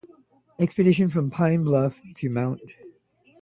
Expedition from Pine Bluff to Mt.